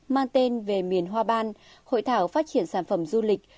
mang tên về miền hoa ban hội thảo phát triển sản phẩm du lịch